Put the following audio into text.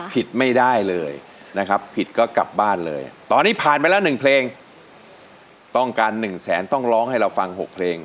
ผิดไม่ได้เลยนะครับผิดก็กลับบ้านเลยตอนนี้ผ่านไปแล้ว๑เพลงต้องการ๑แสนต้องร้องให้เราฟัง๖เพลง